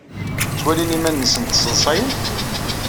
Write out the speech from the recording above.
Ttwalin iman-nsent sseḍsayen?